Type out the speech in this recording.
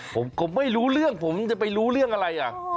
ผมไม่รู้เรื่องผมจะไปรู้เรื่องอะไรอ่ะ